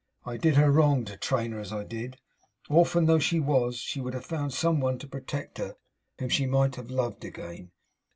I did her wrong to train her as I did. Orphan though she was, she would have found some one to protect her whom she might have loved again.